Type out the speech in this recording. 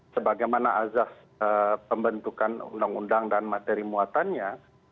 sebagaimana azas pembentukan undang undang dan materi muatannya